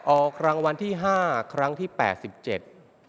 ออกรางวัลที่ห้าครั้งที่แปดสิบเจ็ด